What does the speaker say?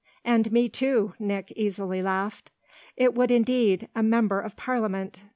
"And me too," Nick easily laughed. "It would indeed a member of Parliament!"